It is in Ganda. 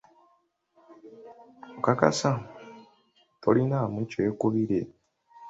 Okakasa, tolinaamu kyekubiira?